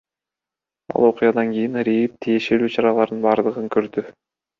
Ал окуядан кийин РИИБ тиешелүү чаралардын бардыгын көрдү.